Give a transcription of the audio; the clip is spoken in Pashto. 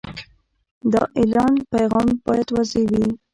د اعلان پیغام باید واضح وي.